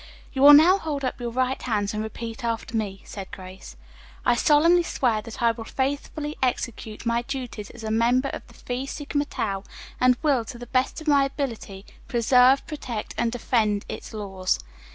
"You will now hold up your right hands and repeat after me," said Grace, "I do solemnly swear that I will faithfully execute my duties as a member of the Phi Sigma Tau, and will, to the best of my ability, preserve, protect and defend its laws."